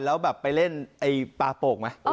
แล้วแบบไปเล่นไอ้ปลาโป่งไหม